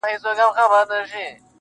چي اغیار یې بې ضمیر جوړ کړ ته نه وې--!